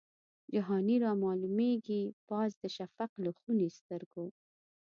جهاني رامعلومیږي پاس د شفق له خوني سترګو